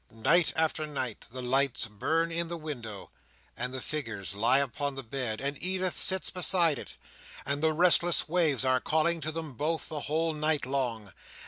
Night after night, the lights burn in the window, and the figure lies upon the bed, and Edith sits beside it, and the restless waves are calling to them both the whole night long.